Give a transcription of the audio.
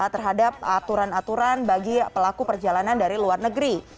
terhadap aturan aturan bagi pelaku perjalanan dari luar negeri